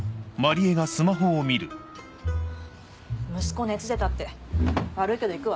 息子熱出たって悪いけど行くわ。